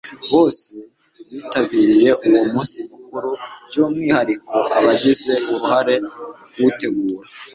bose bitabiriye uwo munsi mukuru. by'umwihariko abagize uruhare mu kuwutegura